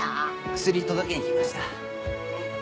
「薬届けにきました」